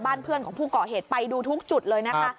เพื่อนของผู้ก่อเหตุไปดูทุกจุดเลยนะคะ